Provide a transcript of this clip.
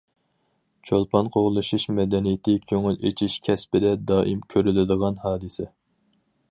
چولپان قوغلىشىش مەدەنىيىتى كۆڭۈل ئېچىش كەسپىدە دائىم كۆرۈلىدىغان ھادىسە.